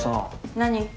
何？